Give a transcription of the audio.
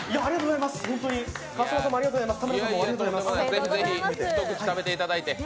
ぜひぜひ一口食べてもらって。